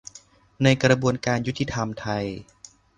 ในกระบวนการยุติธรรมไทย